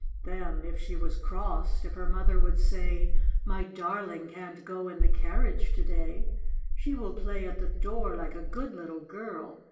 Then, if she was crossed — if her mother would say, " My darling can't go in the carriage to day, She will play at the door like a good little girl